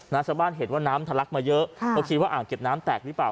ชาวบ้านเห็นว่าน้ำทะลักมาเยอะค่ะก็คิดว่าอ่างเก็บน้ำแตกหรือเปล่า